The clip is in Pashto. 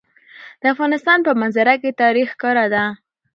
د افغانستان په منظره کې تاریخ ښکاره ده.